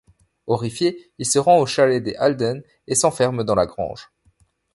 Horrifié, il se rend au chalet des Alden et s'enferme dans la grange.